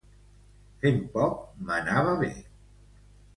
Fent poc m'anava bé.